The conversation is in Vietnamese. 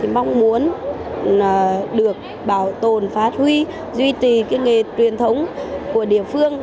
mong muốn được bảo tồn phát huy duy trì nghề truyền thống của địa phương